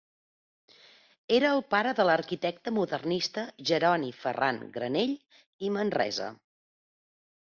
Era el pare de l'arquitecte modernista Jeroni Ferran Granell i Manresa.